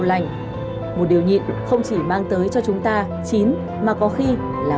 anh có uống rượu chưa